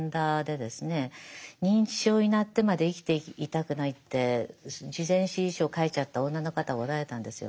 認知症になってまで生きていたくないって事前指示書を書いちゃった女の方がおられたんですよ。